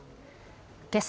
けさ